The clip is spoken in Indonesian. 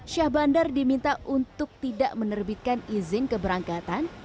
syah bandar diminta untuk tidak menerbitkan izin keberangkatan